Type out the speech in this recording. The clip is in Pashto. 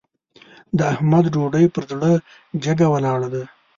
د احمد ډوډۍ پر زړه جګه ولاړه ده.